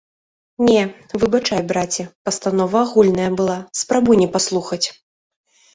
Не, выбачай, браце, пастанова агульная была, спрабуй не паслухаць!